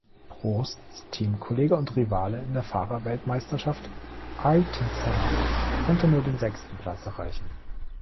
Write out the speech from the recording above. Prosts Teamkollege und Rivale in der Fahrerweltmeisterschaft, Ayrton Senna, konnte nur den sechsten Platz erreichen.